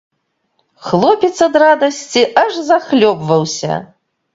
Хлопец ад радасці аж захлёбваўся.